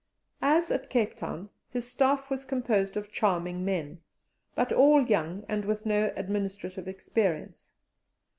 As at Cape Town, his staff was composed of charming men, but all young and with no administrative experience.